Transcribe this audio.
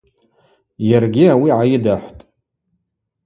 Йаргьи ауи гӏайыдахӏвтӏ.